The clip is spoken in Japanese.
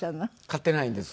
飼ってないんです。